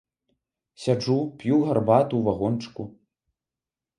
Сяджу, п'ю гарбату у вагончыку.